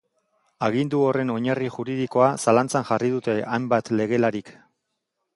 Agindu horren oinarri juridikoa zalantzan jarri dute hainbat legelarik.